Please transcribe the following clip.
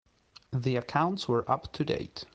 The accounts were up to date.